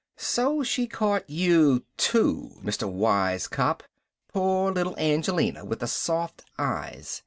"So she caught you, too, Mr. Wise cop, poor little Angelina with the soft eyes."